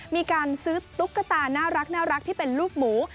มีการซื้อตุ๊กตาน่ารักที่เป็นลูกหมู